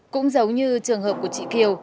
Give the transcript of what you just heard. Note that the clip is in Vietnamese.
cũng giống như trường hợp của chị kiều